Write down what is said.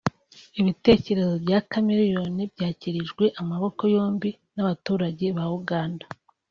Ibitekerezo bya Chameleone byakirijwe amaboko yombi n’abaturage ba Uganda